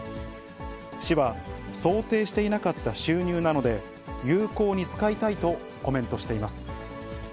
市は想定していなかった収入なので、有効に使いたいとコメントしています。